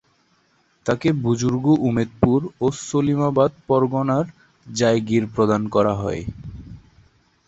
তাঁকে বুযুর্গ উমেদপুর ও সলিমাবাদ পরগনার জায়গির প্রদান করা হয়।